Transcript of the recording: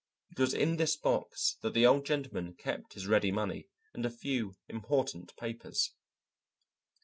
It was in this box that the Old Gentleman kept his ready money and a few important papers.